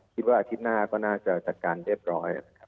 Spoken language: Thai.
คิดว่าอาทิตย์หน้าก็น่าจะจัดการเรียบร้อย